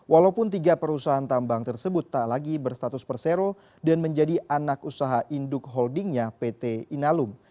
walaupun tiga perusahaan tambang tersebut tak lagi berstatus persero dan menjadi anak usaha induk holdingnya pt inalum